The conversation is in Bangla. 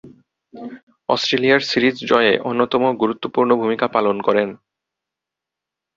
অস্ট্রেলিয়ার সিরিজ জয়ে অন্যতম গুরুত্বপূর্ণ ভূমিকা পালন করেন।